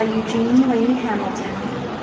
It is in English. Eugene Lee Hamilton b.